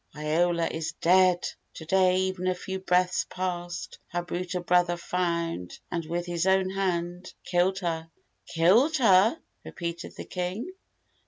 "Iola is dead! To day, even a few breaths past, her brutal brother found and with his own hand killed her!" "Killed her?" repeated the king.